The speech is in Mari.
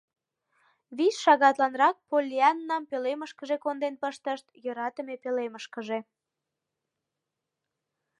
Вич шагатланрак Поллианнам пӧлемышкыже конден пыштышт, йӧратыме пӧлемышкыже.